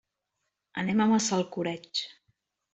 Anem a Massalcoreig.